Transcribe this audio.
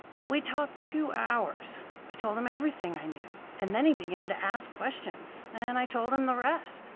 "We talked two hours. I told him everything I knew; and then he began to ask questions, and I told him the rest.